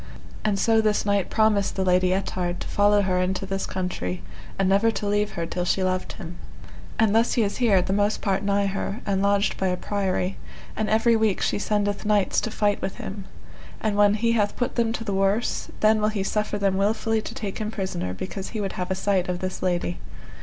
And so this knight promised the Lady Ettard to follow her into this country, and never to leave her till she loved him. And thus he is here the most part nigh her, and lodged by a priory, and every week she sendeth knights to fight with him. And when he hath put them to the worse, then will he suffer them wilfully to take him prisoner, because he would have a sight of this lady.